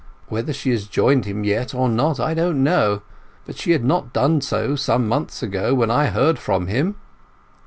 Whether she has joined him yet or not I don't know; but she had not done so some months ago when I heard from him."